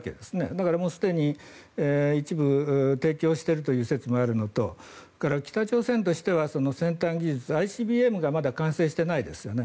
だから、もうすでに一部提供しているという説もあるのとそれから北朝鮮としては先端技術ＩＣＢＭがまだ完成してないですよね。